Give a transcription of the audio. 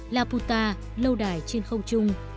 laputa lâu đài trên không trung